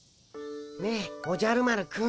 ねえおじゃる丸くん。